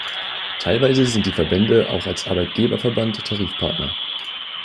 Teilweise sind die Verbände auch als Arbeitgeberverband Tarifpartner.